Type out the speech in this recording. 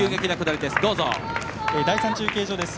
第３中継所です。